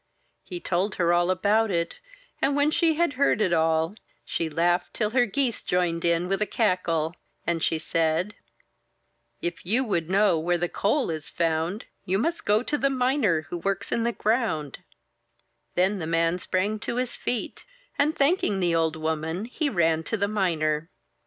He told her all about it; and when she had heard it all, she laughed till her geese joined in with a cackle; and she said: — If you would know where the coal is found, You must go to the miner, who works in the ground/* Then the man sprang to his feet, and, thanking the old woman, he ran to the miner.